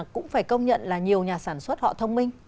cũng phải công nhận là nhiều nhà sản xuất họ thông minh